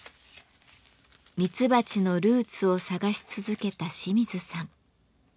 ミツバチのルーツを探し続けた清水さん。